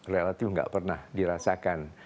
relatif nggak pernah dirasakan